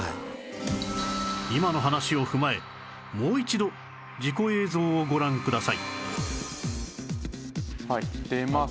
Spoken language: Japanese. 今の話を踏まえもう一度事故映像をご覧ください出ます。